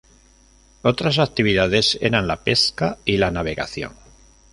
Otras actividades eran la pesca y la navegación.